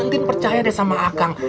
mungkin percaya deh sama akang